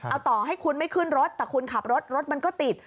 เอาต่อให้คุณไม่ขึ้นรถแต่คุณขับรถรถมันก็ติด